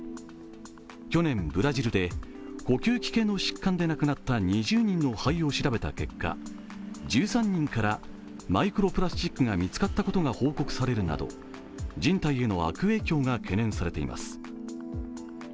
去年、ブラジルで呼吸器系の疾患で亡くなった２０人の肺を調べた結果１３人からマイクロプラスチックが見つかったことが報告されるなど人体への悪影響が懸念されています。